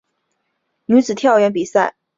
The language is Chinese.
女子跳远比赛分为预赛及决赛。